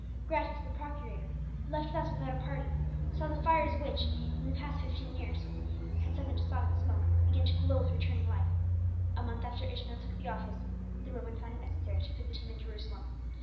Gratus, the procurator, left thus without a party, saw the fires which, in the fifteen years, had sunk into sodden smoke begin to glow with returning life. A month after Ishmael took the office, the Roman found it necessary to visit him in Jerusalem.